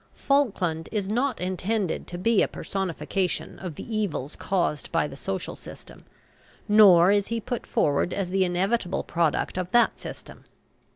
Falkland is not intended to be a personification of the evils caused by the social system, nor is he put forward as the inevitable product of that system.